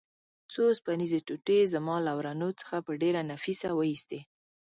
څو اوسپنیزې ټوټې یې زما له ورنو څخه په ډېره نفیسه وه ایستې.